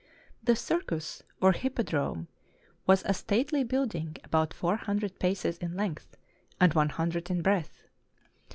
The Circus, or Hip podrome, was a stately building about four hundred paces in length, and one hundred in breadth.